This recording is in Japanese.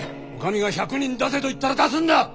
お上が１００人出せと言ったら出すのだ！